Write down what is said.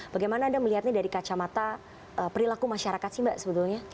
bagaimana anda melihatnya dari kacamata perilaku masyarakat sih mbak sebetulnya